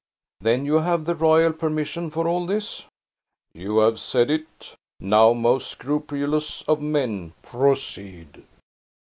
Then you have the royal permission for all this?" "You have said it. Now, most scrupulous of men, proceed!"